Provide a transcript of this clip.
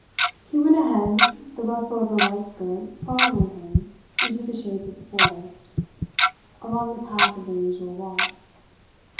He went ahead, the rustle of her white skirt following him into the shades of the forest, along the path of their usual walk.